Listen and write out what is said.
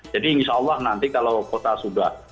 jadi insya allah nanti kalau kota sudah